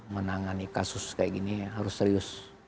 menangani kasus seperti ini harus serius